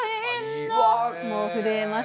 もう震えます。